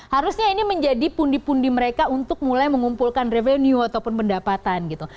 harusnya ini menjadi pundi pundi mereka untuk mulai mengumpulkan revenue ataupun pendapatan gitu